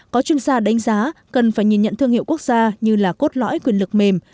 có chuyên gia đánh giá cần phải nhìn nhận thương hiệu quốc gia như là cốt lõi quyền lực mềm